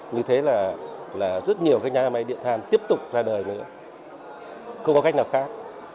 như thế là rất nhiều cái nhà máy điện than tiếp tục ra đời nữa không có cách nào khác